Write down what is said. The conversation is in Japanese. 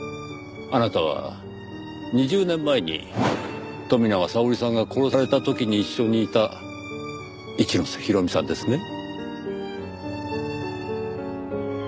あなたは２０年前に富永沙織さんが殺された時に一緒にいた一ノ瀬弘美さんですね？